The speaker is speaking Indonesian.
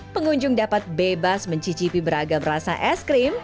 pengunjung dapat bebas mencicipi beragam rasa ice cream